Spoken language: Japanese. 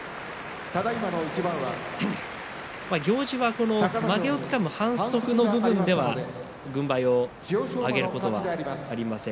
行司は、まげをつかむ反則の部分では軍配を上げることはありません。